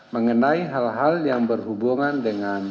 mengenai hal hal yang berhubungan dengan